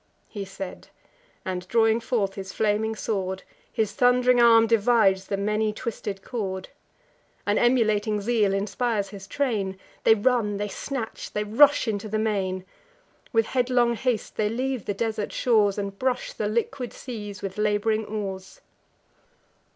He said: and, drawing forth his flaming sword, His thund'ring arm divides the many twisted cord. An emulating zeal inspires his train: They run; they snatch; they rush into the main. With headlong haste they leave the desert shores, And brush the liquid seas with lab'ring oars.